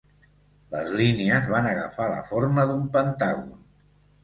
Les línies van agafar la forma d'un pentàgon.